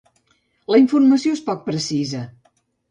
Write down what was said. La informació és poc precisa.